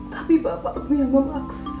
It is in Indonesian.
tapi bapakmu yang memaksa